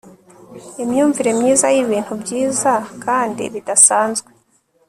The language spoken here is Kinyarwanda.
Imyumvire myiza yibintu byiza kandi bidasanzwe